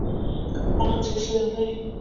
افغانان څه استعداد لري؟